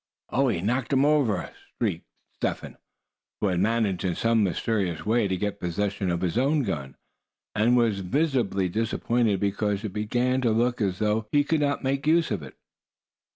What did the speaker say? "Oh! he knocked him over!" shrieked Step Hen, who had managed in some mysterious way to get possession of his own gun, and was visibly disappointed because it began to look as though he could not make use of it.